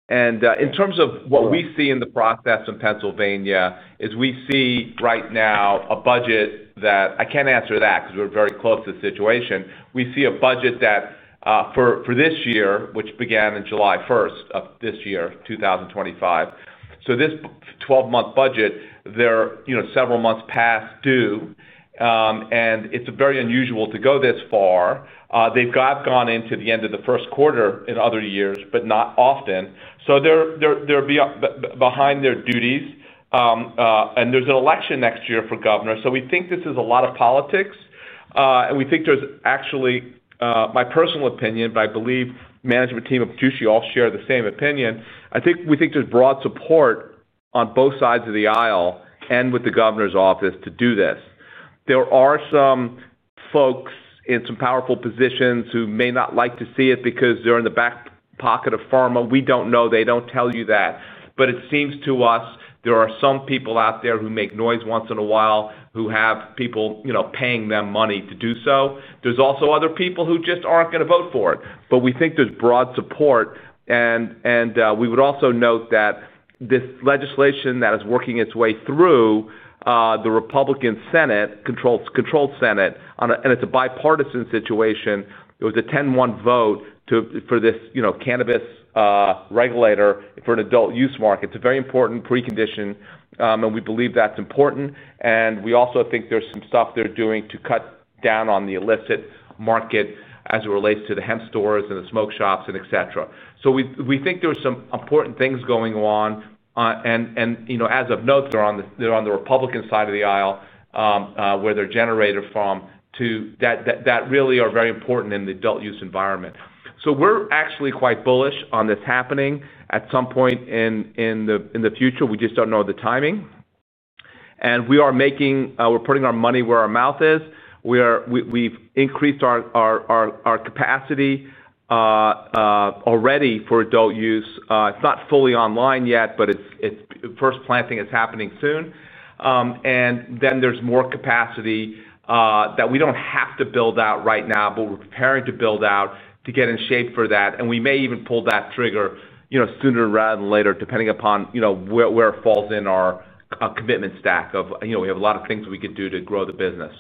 And in terms of what we see in the process in Pennsylvania, is we see right now a budget that I can't answer that because we're very close to the situation. We see a budget that. For this year, which began on July 1st of this year, 2025. So this 12-month budget, there are several months past due. And it's very unusual to go this far. They've gone into the end of the first quarter in other years, but not often. So they're behind their duties. And there's an election next year for governor. So we think this is a lot of politics. And we think there's actually, my personal opinion, but I believe the management team at Jushi all share the same opinion. I think we think there's broad support on both sides of the aisle and with the governor's office to do this. There are some folks in some powerful positions who may not like to see it because they're in the back pocket of pharma. We don't know. They don't tell you that. But it seems to us there are some people out there who make noise once in a while who have people paying them money to do so. There's also other people who just aren't going to vote for it. But we think there's broad support. And we would also note that. This legislation that is working its way through. The Republican Senate, controlled Senate, and it's a bipartisan situation. It was a 10-1 vote for this cannabis regulator for an adult use market. It's a very important precondition, and we believe that's important. And we also think there's some stuff they're doing to cut down on the illicit market as it relates to the hemp stores and the smoke shops, etc. So we think there are some important things going on. And as of note, they're on the Republican side of the aisle where they're generated from that really are very important in the adult use environment. So we're actually quite bullish on this happening at some point in the future. We just don't know the timing. And we're putting our money where our mouth is. We've increased our capacity already for adult use. It's not fully online yet, but its first planting is happening soon. And then there's more capacity that we don't have to build out right now, but we're preparing to build out to get in shape for that. And we may even pull that trigger sooner rather than later, depending upon where it falls in our commitment stack of we have a lot of things we could do to grow the business.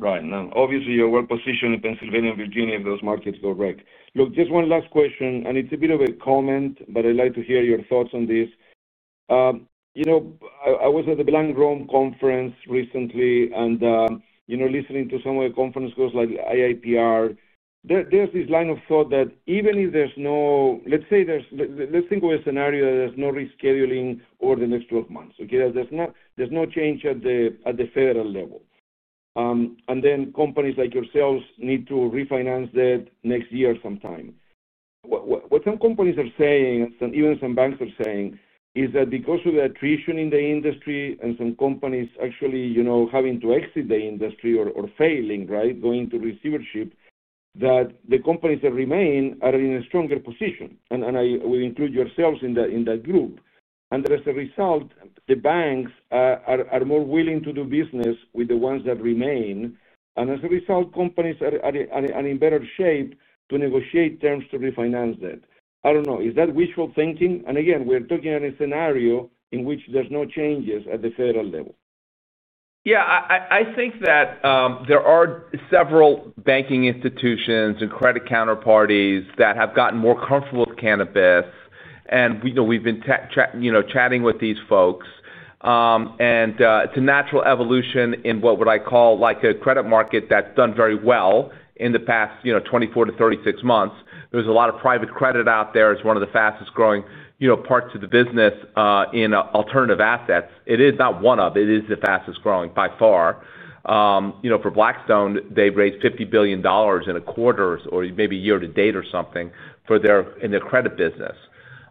Right. And obviously, your strong position in Pennsylvania and Virginia, if those markets go right. Look, just one last question. And it's a bit of a comment, but I'd like to hear your thoughts on this. I was at the Belang Roam conference recently, and listening to some of the conference-goers like IIPR, there's this line of thought that even if there's no, let's say, let's think of a scenario that there's no rescheduling over the next 12 months, okay? There's no change at the federal level. And then companies like yourselves need to refinance that next year sometime. What some companies are saying, and even some banks are saying, is that because of the attrition in the industry and some companies actually having to exit the industry or failing, right, going to receivership, that the companies that remain are in a stronger position. And we include yourselves in that group. And as a result, the banks are more willing to do business with the ones that remain. And as a result, companies are in better shape to negotiate terms to refinance that. I don't know. Is that wishful thinking? And again, we're talking about a scenario in which there's no changes at the federal level. Yeah. I think that there are several banking institutions and credit counterparties that have gotten more comfortable with cannabis. And we've been chatting with these folks. And it's a natural evolution in what would I call a credit market that's done very well in the past 24-36 months. There's a lot of private credit out there as one of the fastest-growing parts of the business in alternative assets. It is not one of them. It is the fastest-growing by far. For Blackstone, they've raised $50 billion in a quarter or maybe a year to date or something in their credit business.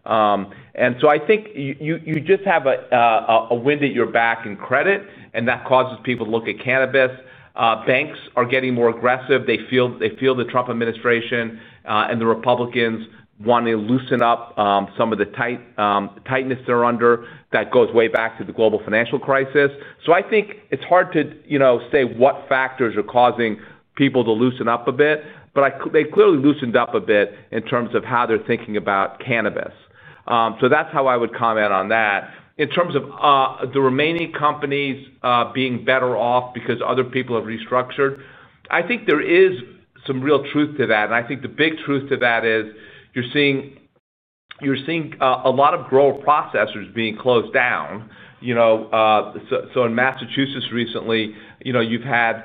And so I think you just have a wind at your back in credit, and that causes people to look at cannabis. Banks are getting more aggressive. They feel the Trump administration and the Republicans want to loosen up some of the tightness they're under that goes way back to the global financial crisis. So I think it's hard to say what factors are causing people to loosen up a bit, but they clearly loosened up a bit in terms of how they're thinking about cannabis. So that's how I would comment on that. In terms of the remaining companies being better off because other people have restructured, I think there is some real truth to that. And I think the big truth to that is you're seeing a lot of grower processors being closed down. So in Massachusetts recently, you've had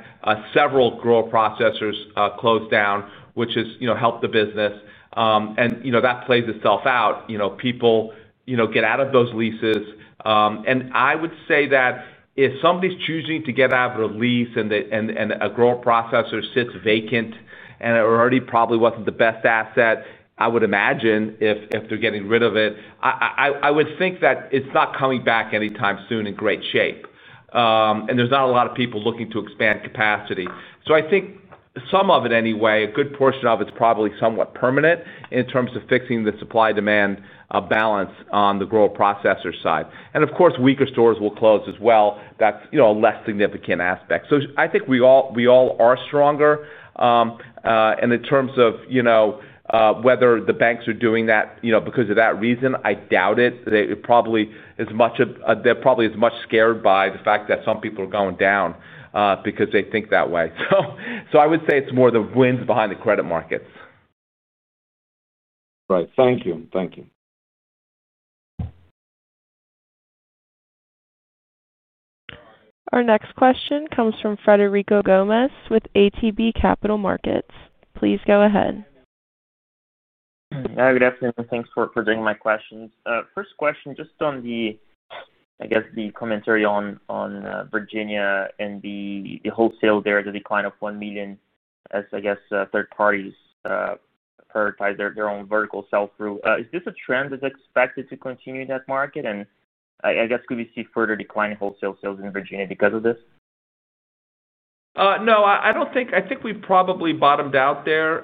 several grower processors closed down, which has helped the business. And that plays itself out. People get out of those leases. And I would say that if somebody's choosing to get out of a lease and a grower processor sits vacant and it already probably wasn't the best asset, I would imagine if they're getting rid of it. I would think that it's not coming back anytime soon in great shape. And there's not a lot of people looking to expand capacity. So I think some of it anyway, a good portion of it's probably somewhat permanent in terms of fixing the supply-demand balance on the grower processor side. And of course, weaker stores will close as well. That's a less significant aspect. So I think we all are stronger. And in terms of whether the banks are doing that because of that reason, I doubt it. They're probably as much scared by the fact that some people are going down because they think that way. So I would say it's more the winds behind the credit markets. Right. Thank you. Thank you. Our next question comes from Frederico Gomes with ATB Capital Markets. Please go ahead. Hi. Good afternoon. Thanks for taking my questions. First question, just on I guess the commentary on Virginia and the wholesale there, the decline of $1 million as, I guess, third parties prioritize their own vertical sell-through. Is this a trend that's expected to continue in that market? And I guess, could we see further decline in wholesale sales in Virginia because of this? No. I think we probably bottomed out there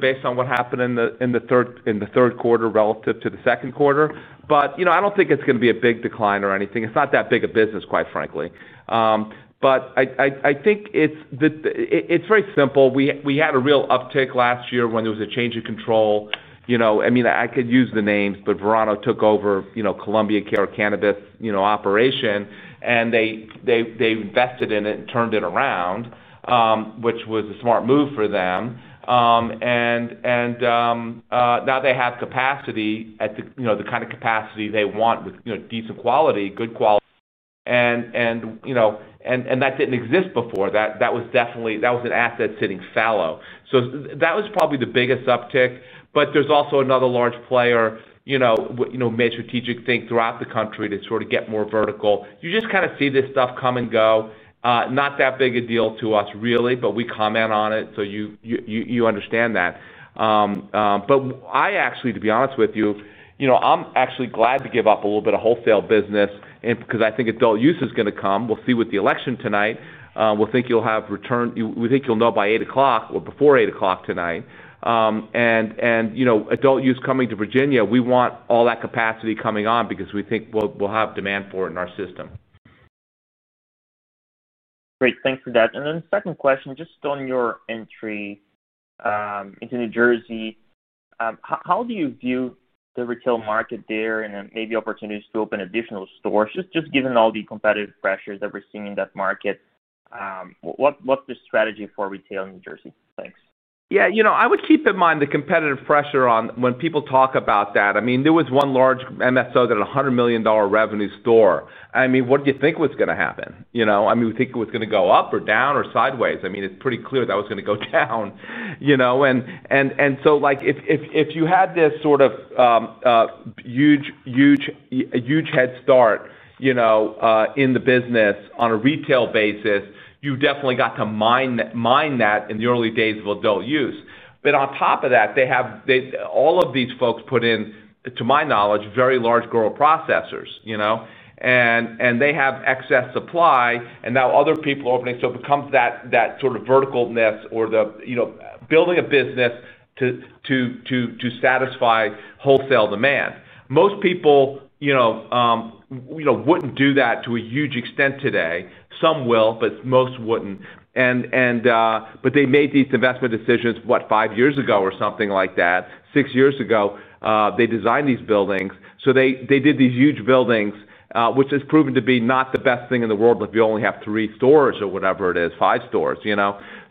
based on what happened in the third quarter relative to the second quarter. But I don't think it's going to be a big decline or anything. It's not that big a business, quite frankly. But I think it's very simple. We had a real uptick last year when there was a change of control. I mean, I could use the names, but Verano took over Columbia Care Cannabis operation, and they invested in it and turned it around. Which was a smart move for them. And now they have capacity at the kind of capacity they want with decent quality, good quality. And that didn't exist before. That was an asset sitting fallow. So that was probably the biggest uptick. But there's also another large player made a strategic thing throughout the country to sort of get more vertical. You just kind of see this stuff come and go. Not that big a deal to us, really, but we comment on it, so you understand that. But I actually, to be honest with you, I'm actually glad to give up a little bit of wholesale business because I think adult use is going to come. We'll see with the election tonight. We think you'll have results we think you'll know by 8 o'clock or before 8 o'clock tonight. And adult use coming to Virginia, we want all that capacity coming on because we think we'll have demand for it in our system. Great. Thanks for that. And then second question, just on your entry into New Jersey. How do you view the retail market there and maybe opportunities to open additional stores? Just given all the competitive pressures that we're seeing in that market. What's the strategy for retail in New Jersey? Thanks. Yeah. I would keep in mind the competitive pressure when people talk about that. I mean, there was one large MSO that had a $100 million revenue store. I mean, what do you think was going to happen? I mean, we think it was going to go up or down or sideways. I mean, it's pretty clear that was going to go down. And so if you had this sort of huge head start in the business on a retail basis, you definitely got to mind that in the early days of adult use. But on top of that, they have all of these folks put in, to my knowledge, very large grower processors. And they have excess supply, and now other people are opening. So it becomes that sort of verticalness or the building a business to satisfy wholesale demand. Most people wouldn't do that to a huge extent today. Some will, but most wouldn't. But they made these investment decisions, what, five years ago or something like that, six years ago. They designed these buildings. So they did these huge buildings, which has proven to be not the best thing in the world if you only have three stores or whatever it is, five stores.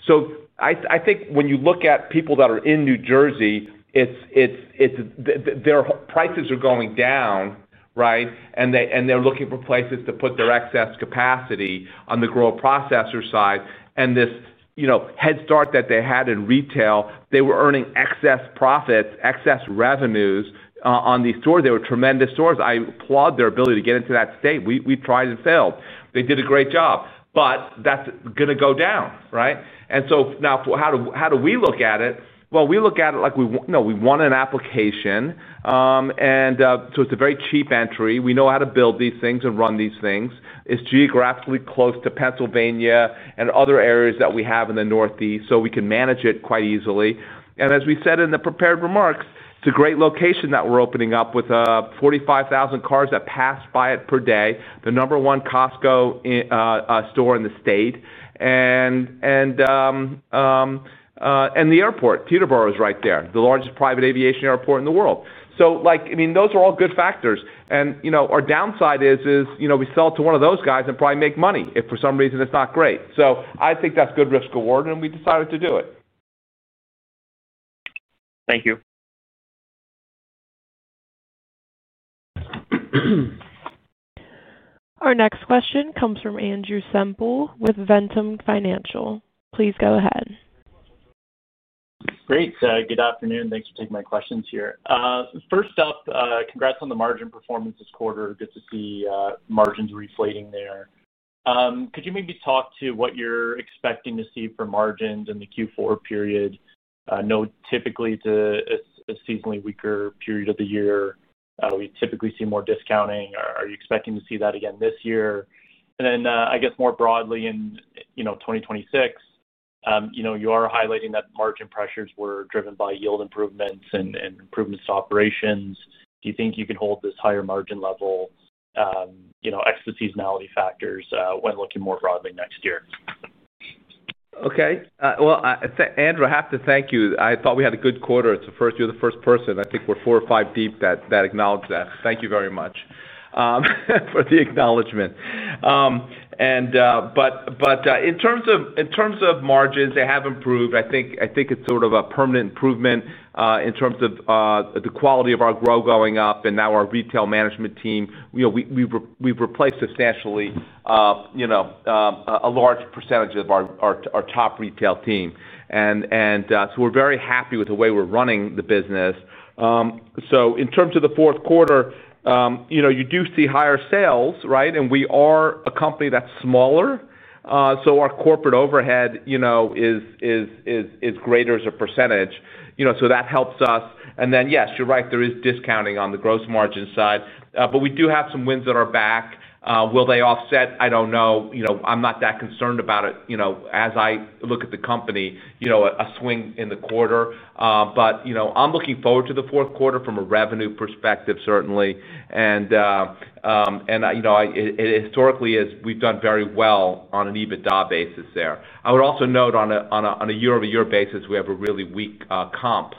So I think when you look at people that are in New Jersey, their prices are going down, right? And they're looking for places to put their excess capacity on the grower processor side. And this head start that they had in retail, they were earning excess profits, excess revenues on these stores. They were tremendous stores. I applaud their ability to get into that state. We tried and failed. They did a great job. But that's going to go down, right? And so now, how do we look at it? Well, we look at it like we want an application. And so it's a very cheap entry. We know how to build these things and run these things. It's geographically close to Pennsylvania and other areas that we have in the northeast, so we can manage it quite easily. And as we said in the prepared remarks, it's a great location that we're opening up with 45,000 cars that pass by it per day, the number one Costco store in the state, and the airport. Teterboro is right there, the largest private aviation airport in the world. So I mean, those are all good factors. And our downside is we sell to one of those guys and probably make money if for some reason it's not great. So I think that's good risk-reward, and we decided to do it. Thank you. Our next question comes from Andrew Semple with Ventum Financial. Please go ahead. Great. Good afternoon. Thanks for taking my questions here. First up, congrats on the margin performance this quarter. Good to see margins reflating there. Could you maybe talk to what you're expecting to see for margins in the Q4 period. Typically it's a seasonally weaker period of the year? We typically see more discounting. Are you expecting to see that again this year? And then I guess more broadly in 2026. You are highlighting that margin pressures were driven by yield improvements and improvements to operations. Do you think you can hold this higher margin level excluding seasonality factors when looking more broadly next year? Okay. Well, Andrew, I have to thank you. I thought we had a good quarter. So first, you're the first person. I think we're four or five deep that acknowledge that. Thank you very much for the acknowledgment. But in terms of margins, they have improved. I think it's sort of a permanent improvement in terms of the quality of our grow going up. And now our retail management team, we've replaced substantially a large percentage of our top retail team. And so we're very happy with the way we're running the business. So in terms of the fourth quarter, you do see higher sales, right? And we are a company that's smaller. So our corporate overhead is greater as a percentage. So that helps us. And then, yes, you're right. There is discounting on the gross margin side. But we do have some winds at our back. Will they offset? I don't know. I'm not that concerned about it as I look at the company. A swing in the quarter. But I'm looking forward to the fourth quarter from a revenue perspective, certainly. And historically, we've done very well on an EBITDA basis there. I would also note on a year-over-year basis, we have a really weak comp.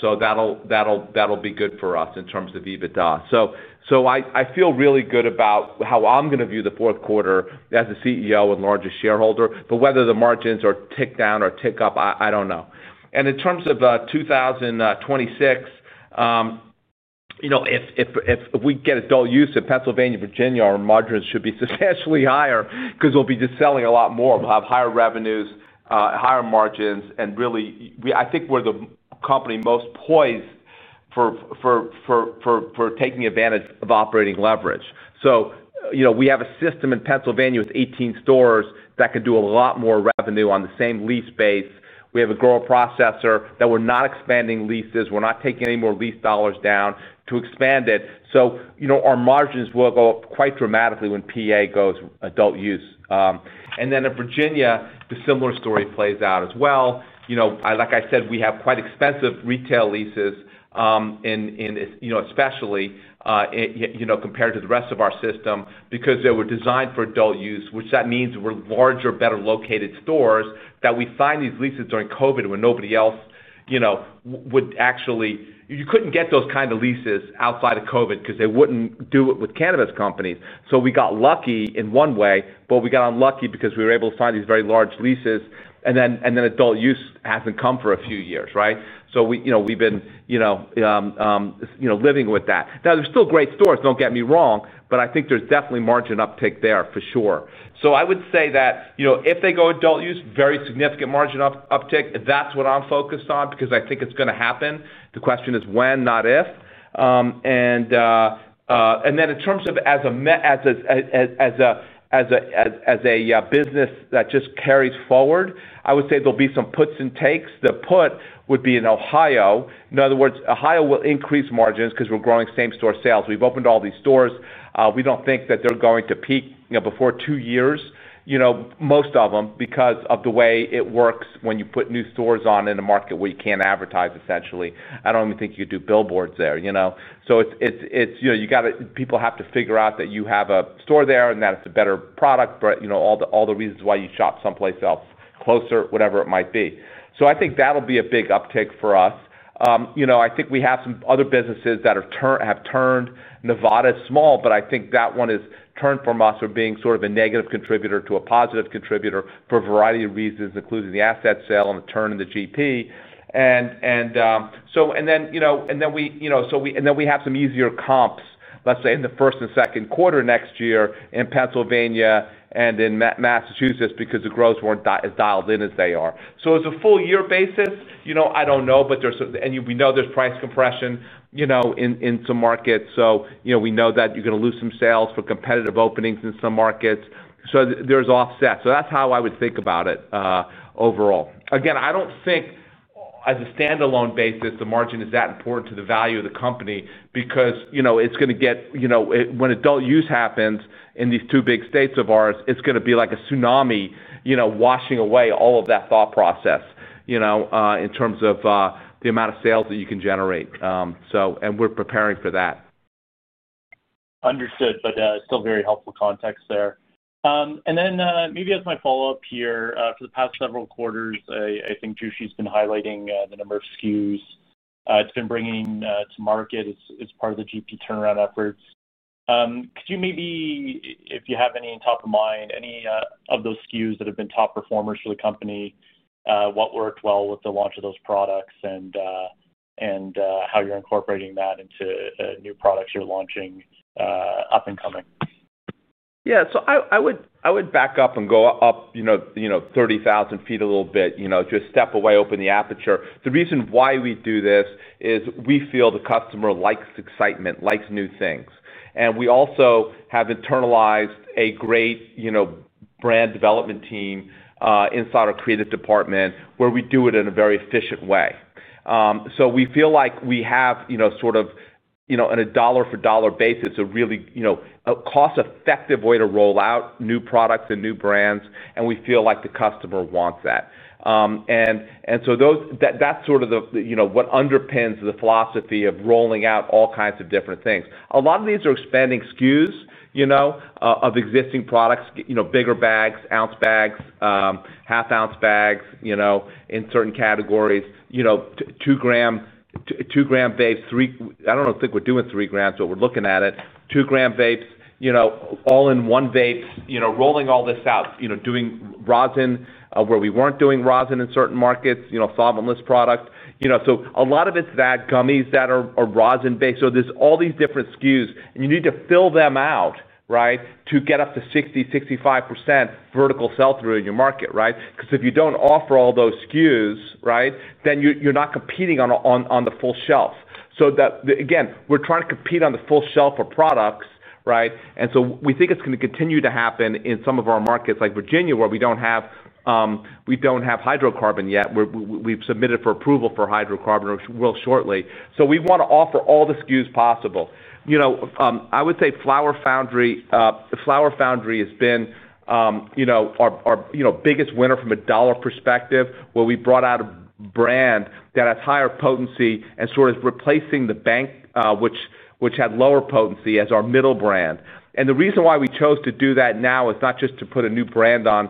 So that'll be good for us in terms of EBITDA. So I feel really good about how I'm going to view the fourth quarter as a CEO and largest shareholder. But whether the margins tick down or tick up, I don't know. And in terms of 2026. If we get adult use in Pennsylvania, Virginia, our margins should be substantially higher because we'll be just selling a lot more. We'll have higher revenues, higher margins. And really, I think we're the company most poised for taking advantage of operating leverage. So we have a system in Pennsylvania with 18 stores that can do a lot more revenue on the same lease base. We have a grower processor that we're not expanding leases. We're not taking any more lease dollars down to expand it. So our margins will go up quite dramatically when PA goes adult use. And then in Virginia, a similar story plays out as well. Like I said, we have quite expensive retail leases especially compared to the rest of our system because they were designed for adult use, which that means were larger, better located stores that we found these leases during COVID when nobody else would actually you couldn't get those kinds of leases outside of COVID because they wouldn't do it with cannabis companies. So we got lucky in one way, but we got unlucky because we were able to find these very large leases. And then adult use hasn't come for a few years, right? So we've been living with that. Now, there's still great stores, don't get me wrong, but I think there's definitely margin uptake there for sure. So I would say that if they go adult use, very significant margin uptake. That's what I'm focused on because I think it's going to happen. The question is when, not if. And then in terms of as a business that just carries forward, I would say there'll be some puts and takes. The put would be in Ohio. In other words, Ohio will increase margins because we're growing same-store sales. We've opened all these stores. We don't think that they're going to peak before two years, most of them, because of the way it works when you put new stores on in a market where you can't advertise, essentially. I don't even think you could do billboards there. So people have to figure out that you have a store there and that it's a better product, but all the reasons why you shop someplace else, closer, whatever it might be. So I think that'll be a big uptake for us. I think we have some other businesses that have turned Nevada small, but I think that one is turned from being sort of a negative contributor to a positive contributor for a variety of reasons, including the asset sale and the turn in the GP. And then we have some easier comps, let's say, in the first and second quarter next year in Pennsylvania and in Massachusetts because the grows weren't as dialed in as they are. So it's a full-year basis. I don't know, but there is price compression. And we know there's price compression in some markets. So we know that you're going to lose some sales for competitive openings in some markets. So there's offset. So that's how I would think about it overall. Again, I don't think as a standalone basis, the margin is that important to the value of the company because it's going to get when adult use happens in these two big states of ours, it's going to be like a tsunami washing away all of that thought process. In terms of the amount of sales that you can generate. And we're preparing for that. Understood. But still very helpful context there. And then maybe as my follow-up here, for the past several quarters, I think Jushi has been highlighting the number of SKUs. It's been bringing to market as part of the GP turnaround efforts. Could you maybe, if you have any on top of mind, any of those SKUs that have been top performers for the company. What worked well with the launch of those products, and. How you're incorporating that into new products you're launching. Up and coming? Yeah. So I would back up and go up 30,000 feet a little bit, just step away, open the aperture. The reason why we do this is we feel the customer likes excitement, likes new things. And we also have internalized a great. Brand development team inside our creative department where we do it in a very efficient way. So we feel like we have sort of. On a dollar-for-dollar basis, a really. Cost-effective way to roll out new products and new brands, and we feel like the customer wants that. And so that's sort of what underpins the philosophy of rolling out all kinds of different things. A lot of these are expanding SKUs. Of existing products, bigger bags, ounce bags, half-ounce bags. In certain categories. Two-gram. Vapes, three, I don't think we're doing three grams, but we're looking at it. Two-gram vapes, all-in-one vapes, rolling all this out, doing rosin, where we weren't doing rosin in certain markets, solventless product. So a lot of it's that gummies that are rosin-based. So there's all these different SKUs, and you need to fill them out, right, to get up to 60%, 65% vertical sell-through in your market, right? Because if you don't offer all those SKUs, right, then you're not competing on the full shelf. So again, we're trying to compete on the full shelf of products, right? And so we think it's going to continue to happen in some of our markets like Virginia, where we don't have. Hydrocarbon yet. We've submitted for approval for hydrocarbon really shortly. So we want to offer all the SKUs possible. I would say Flower Foundry. Has been. Our biggest winner from a dollar perspective, where we brought out a brand that has higher potency and sort of replacing the bank, which had lower potency as our middle brand. And the reason why we chose to do that now is not just to put a new brand on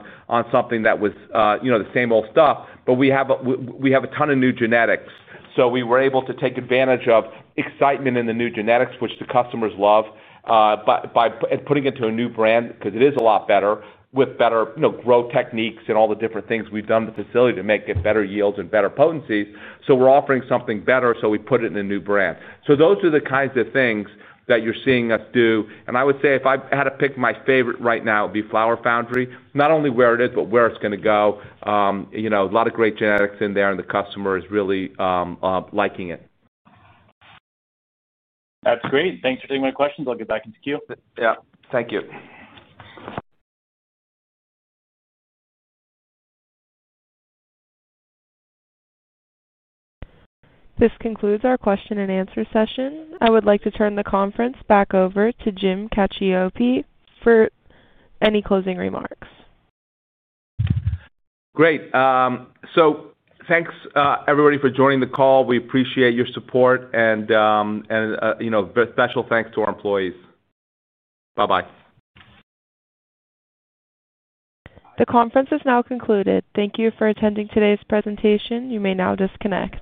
something that was the same old stuff, but we have a ton of new genetics. So we were able to take advantage of excitement in the new genetics, which the customers love. And putting it to a new brand because it is a lot better with better grow techniques and all the different things we've done at the facility to make it better yields and better potencies. So we're offering something better, so we put it in a new brand. So those are the kinds of things that you're seeing us do. And I would say if I had to pick my favorite right now, it would be Flower Foundry, not only where it is, but where it's going to go. A lot of great genetics in there, and the customer is really liking it. That's great. Thanks for taking my questions. I'll get back into Q. Yeah. Thank you. This concludes our question and answer session. I would like to turn the conference back over to Jim Cacioppo for any closing remarks. Great. So thanks, everybody, for joining the call. We appreciate your support. And a special thanks to our employees. Bye-bye. The conference is now concluded. Thank you for attending today's presentation. You may now disconnect.